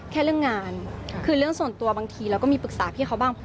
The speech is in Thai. แค่เรื่องงานคือเรื่องส่วนตัวบางทีเราก็มีปรึกษาพี่เขาบ้าง